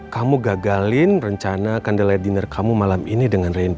kamu gagalin rencana condela dinner kamu malam ini dengan randy